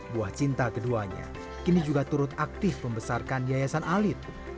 buah cinta keduanya kini juga turut aktif membesarkan yayasan alit